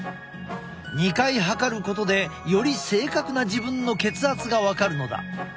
２回測ることでより正確な自分の血圧が分かるのだ。